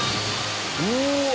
うわ！